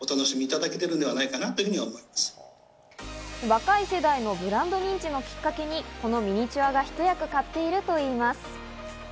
若い世代のブランド認知のきっかけにこのミニチュアがひと役買っているといいます。